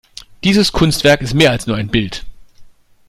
Dieses Kunstwerk ist mehr als nur ein Bild.